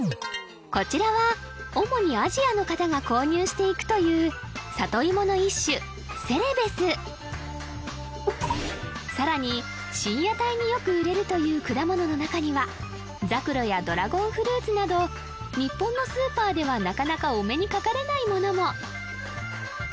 こちらは主にアジアの方が購入していくという里芋の一種セレベスさらに深夜帯によく売れるという果物の中にはザクロやドラゴンフルーツなど日本のスーパーではなかなかお目にかかれないものも！